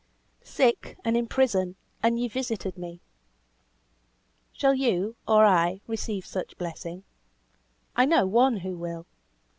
"Sick, and in prison, and ye visited me." Shall you, or I, receive such blessing? I know one who will.